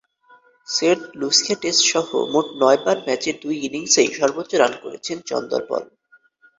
Saint Lucia টেস্টসহ মোট নয়বার ম্যাচের দুই ইনিংসেই সর্বোচ্চ রান করেছেন চন্দরপল।